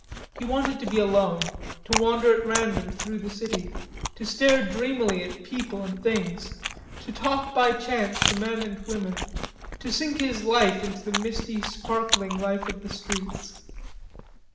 He wanted to be alone, to wander at random through the city, to stare dreamily at people and things, to talk by chance to men and women, to sink his life into the misty sparkling life of the streets.